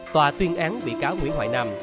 tòa tuyên án bị cáo nguyễn hoài nam